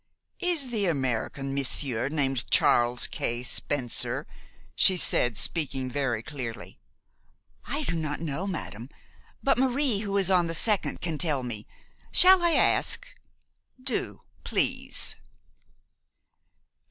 "Is the American monsieur named Charles K. Spencer?" she said, speaking very clearly. "I do not know, madam. But Marie, who is on the second, can tell me. Shall I ask?" "Do, please."